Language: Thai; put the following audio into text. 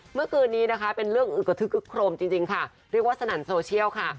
เมื่อคืนนี้นะคะเป็นเรื่องอึกกระทึกอึกโครมจริงค่ะเรียกว่าสนั่นโซเชียลค่ะ